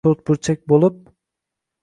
toʼrtburchak boʼlib